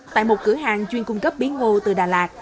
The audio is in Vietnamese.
tại một cửa hàng chuyên cung cấp bí ngô từ đà lạt